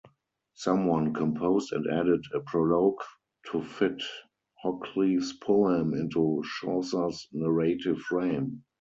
Someone composed and added a prologue to fit Hoccleve's poem into Chaucer's narrative frame.